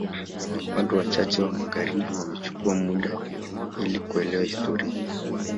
Watu wachache wa magharibi wamechukua muda ili kuelewa historia